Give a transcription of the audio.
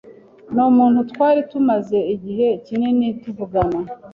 Ni umuntu twari tumaze igihe kinini tuvugana